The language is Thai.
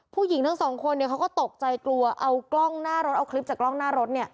ผู้หญิงทั้งสองคนเขาก็ตกใจกลัวเอากล้องหน้ารถเอาคลิปจากกล้องหน้ารถ